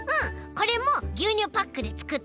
これもぎゅうにゅうパックでつくったんだ。